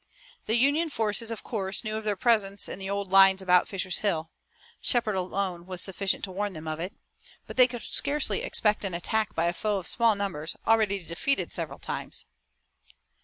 The Union forces, of course, knew of their presence in the old lines about Fisher's Hill Shepard alone was sufficient to warn them of it but they could scarcely expect an attack by a foe of small numbers, already defeated several times.